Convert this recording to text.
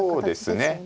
そうですね。